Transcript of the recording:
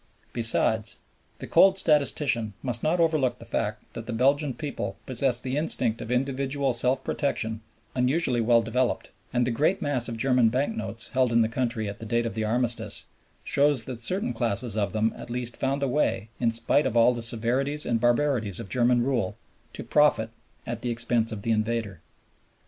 Besides, the cold statistician must not overlook the fact that the Belgian people possess the instinct of individual self protection unusually well developed; and the great mass of German bank notes held in the country at the date of the Armistice, shows that certain classes of them at least found a way, in spite of all the severities and barbarities of German rule, to profit at the expense of the invader.